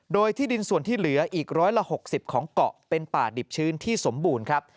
โดยที่ดินส่วนที่เหลืออีก๑๖๐ของเกาะเป็นป่าดิบชื้นที่สมบูรณ์ครับ